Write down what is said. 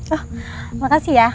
oh makasih ya